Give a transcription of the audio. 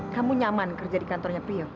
kamu nyaman kerja di kantornya priok